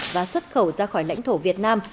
và xuất khẩu ra khỏi lãnh thổ việt nam